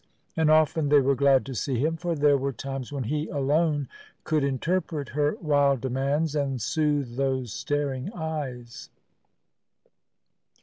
And often they were glad to see him, for there were times when he alone could interpret her wild demands and soothe those staring eyes.